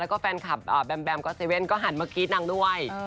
แล้วก็แฟนคลับแบมแบมก็เซเว่นก็หันมากรี๊ดนางด้วย